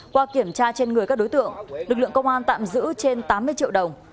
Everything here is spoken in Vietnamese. qua kiểm tra trên người các đối tượng lực lượng công an tạm giữ trên tám mươi triệu đồng